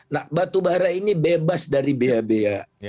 nah batu bara ini bebas dari bha